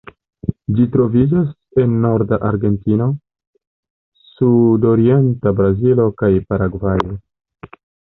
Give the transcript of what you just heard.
Ĝi troviĝas en norda Argentino, sudorienta Brazilo kaj Paragvajo.